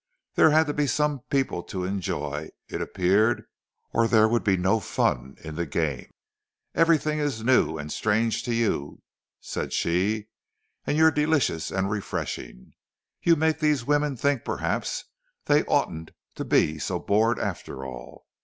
There had to be some people to enjoy, it appeared, or there would be no fun in the game. "Everything is new and strange to you," said she, "and you're delicious and refreshing; you make these women think perhaps they oughtn't to be so bored after all!